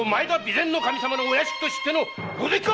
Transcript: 前守様のお屋敷と知っての狼藉か！